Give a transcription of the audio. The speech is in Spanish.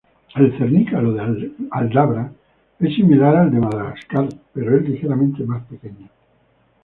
El cernícalo de Aldabra es similar al de Madagascar, pero es ligeramente más pequeño.